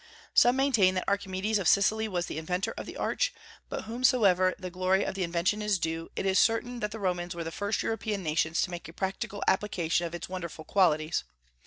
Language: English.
Some maintain that Archimedes of Sicily was the inventor of the arch; but to whomsoever the glory of the invention is due, it is certain that the Romans were the first of European nations to make a practical application of its wonderful qualities.